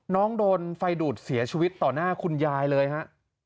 น้องโดนไฟดูดเสียชีวิตต่อหน้าคุณยายเลยฮะ